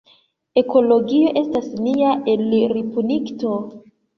Ekologio estas nia elirpunkto.